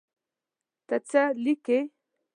ته څه لیکې.